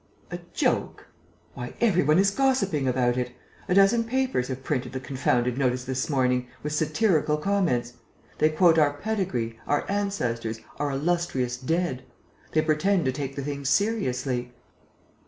"A joke? Why, every one is gossiping about it! A dozen papers have printed the confounded notice this morning, with satirical comments. They quote our pedigree, our ancestors, our illustrious dead. They pretend to take the thing seriously...."